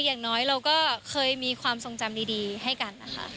อย่างน้อยเราก็เคยมีความทรงจำดีให้กันนะคะ